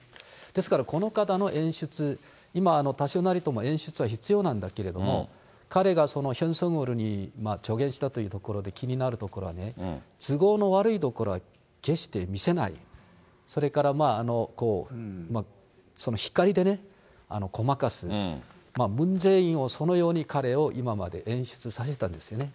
ですから、この方の演出、今、多少なりとも演出は必要なんだけれども、彼がヒョン・ソンウォルに助言したというところで気になるところはね、都合の悪いところは決して見せない、それから光でごまかす、ムン・ジェインをそのように彼を今まで演出させたんですよね。